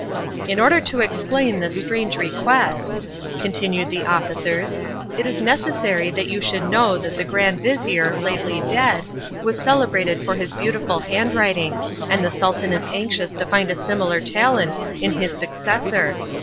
"In order to explain this strange request," continued the officers, "it is necessary that you should know that the grand vizir, lately dead, was celebrated for his beautiful handwriting, and the Sultan is anxious to find a similar talent in his successor.